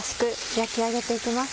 焼き上げて行きます。